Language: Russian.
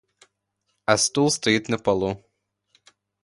А стул стоит на полу.